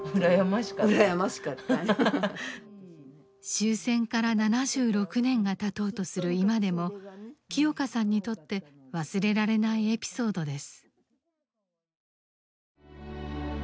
終戦から７６年がたとうとする今でも清香さんにとって忘れられないエピソードです。